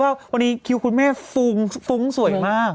วันนี้คิวคุณแม่โฟงสวยมาก